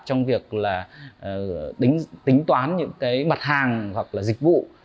trong việc là tính toán những cái mặt hàng hoặc là dịch vụ